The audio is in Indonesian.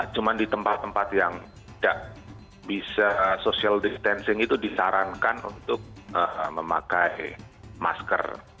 cuma di tempat tempat yang tidak bisa social distancing itu disarankan untuk memakai masker